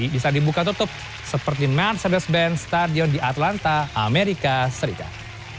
bisa dibuka tutup seperti mercedes ben stadion di atlanta amerika serikat